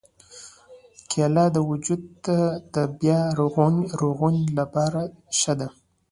کېله د وجود د بیا رغونې لپاره ښه ده.